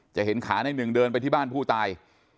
เห็นขาในหนึ่งเดินไปที่บ้านผู้ตาย